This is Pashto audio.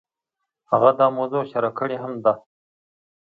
هغه دا موضوع شرح کړې هم ده.